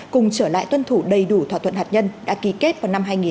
cùng trở lại tuân thủ đầy đủ thỏa thuận hạt nhân đã ký kết vào năm hai nghìn một mươi